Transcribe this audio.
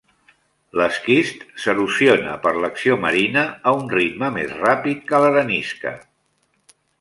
L'esquist s'erosiona per l'acció marina a un ritme més ràpid que l'arenisca.